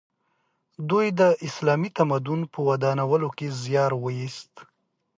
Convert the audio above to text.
دوی د اسلامي تمدن په ودانولو کې زیار وایست.